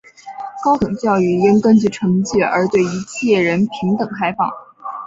高等教育应根据成绩而对一切人平等开放。